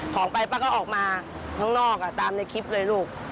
ของไปป้าก็ออกมาข้างนอกตามในคลิปเลยลูก